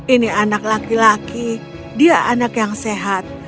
ini anak laki laki dia anak yang sehat